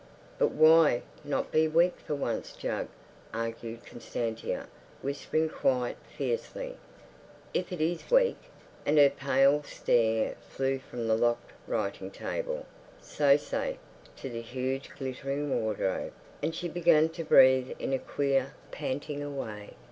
"But why not be weak for once, Jug?" argued Constantia, whispering quite fiercely. "If it is weak." And her pale stare flew from the locked writing table—so safe—to the huge glittering wardrobe, and she began to breathe in a queer, panting away.